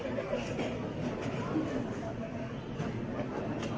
อันนี้คือ๑จานที่คุณคุณค่อยอยู่ด้านข้างข้างนั้น